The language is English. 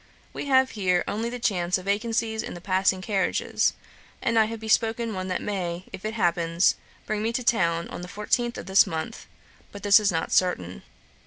We have here only the chance of vacancies in the passing carriages, and I have bespoken one that may, if it happens, bring me to town on the fourteenth of this month; but this is not certain.